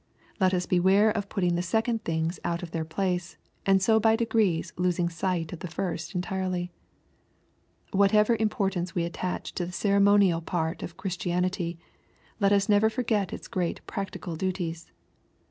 Let us beware of put ) second things out of their place, and so bj losing sight of the first entirely. Whatever im } we attach to the ceremonial part of Christian is never forget its great practical duties.